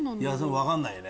分かんないよね。